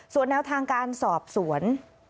ส่วนแนวทางการสอบสวน